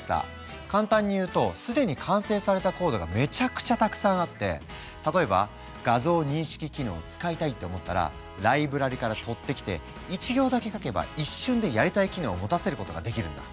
簡単に言うと既に完成されたコードがめちゃくちゃたくさんあって例えば画像認識機能を使いたいって思ったらライブラリから取ってきて１行だけ書けば一瞬でやりたい機能を持たせることができるんだ。